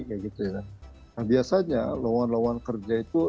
nah biasanya lewangan lewangan kerja itu